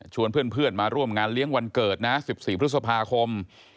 เพื่อนมาร่วมงานเลี้ยงวันเกิดนะ๑๔พฤษภาคม